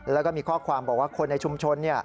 แล้วก็มีข้อความบอกว่าคนในชุมชน